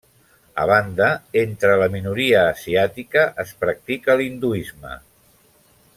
A banda, entre la minoria asiàtica, es practica l'hinduisme.